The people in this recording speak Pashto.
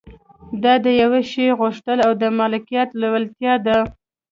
دا د يوه شي غوښتل او د مالکيت لېوالتيا ده.